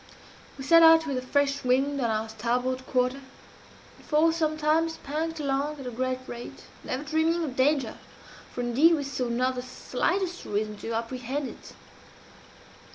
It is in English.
"We set out with a fresh wind on our starboard quarter, and for some time spanked along at a great rate, never dreaming of danger, for indeed we saw not the slightest reason to apprehend it.